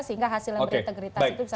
sehingga hasil yang berintegritas itu bisa